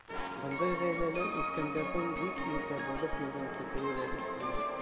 Бындай ғаиләлә үҫкәндәрҙең бик иртә боҙоҡ юлдан китеүе лә ихтимал.